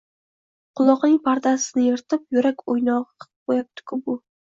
Quloqning pardasini yirtib, yurak o`ynog`i qip qo`yyapti-ku bu